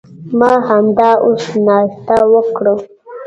ما همدا اوس ناشته وکړه.